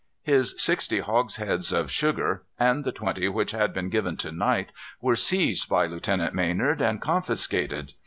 His sixty hogsheads of sugar, and the twenty which had been given to Knight, were seized by Lieutenant Maynard, and confiscated.